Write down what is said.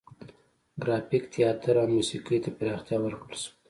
ګرافیک، تیاتر او موسیقي ته پراختیا ورکړل شوه.